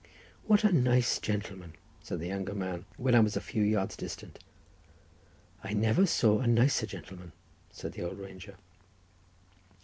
"What a nice gentleman!" said the younger man, when I was a few yards distant. "I never saw a nicer gentleman," said the old ranger.